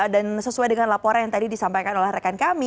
dan sesuai dengan laporan yang tadi disampaikan oleh rekan kami